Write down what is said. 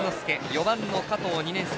４番の加藤は２年生。